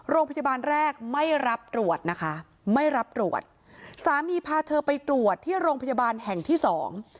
โรงพยาบาลแรกไม่รับตรวจนะคะไม่รับตรวจสามีพาเธอไปตรวจที่โรงพยาบาลแห่งที่สอง